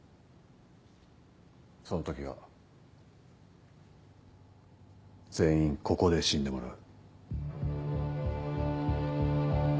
そのときは全員ここで死んでもらう。